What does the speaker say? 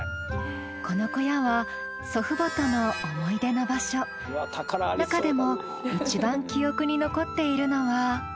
この小屋は祖父母との中でも一番記憶に残っているのは。